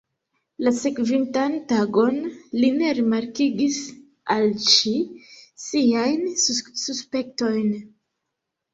La sekvintan tagon li ne rimarkigis al ŝi siajn suspektojn.